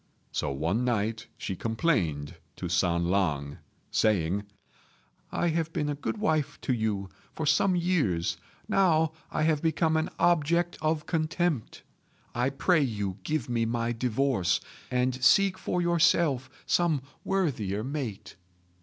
So one night she complained to San lang, saying, "I have been a good wife to you for some years: now I have become an object of contempt. I pray you give me my divorce, and seek for yourself some worthier mate."